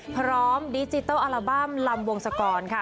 ดิจิทัลอัลบั้มลำวงศกรค่ะ